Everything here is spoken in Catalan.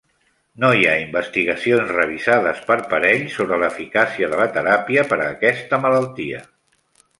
No hi ha investigacions revisades per parells sobre l'eficàcia de la teràpia per a aquesta malaltia.